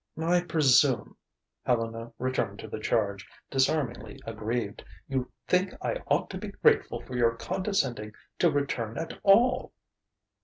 "I presume," Helena returned to the charge, disarmingly aggrieved, "you think I ought to be grateful for your condescending to return at all!"